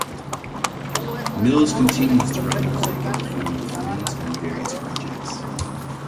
Mills continues to write music and perform with friends on various projects.